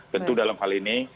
tentu dalam hal ini